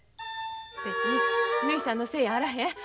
別にぬひさんのせいやあらへん。